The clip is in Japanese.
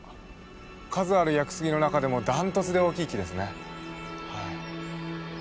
数ある屋久杉の中でもダントツで大きい木ですね。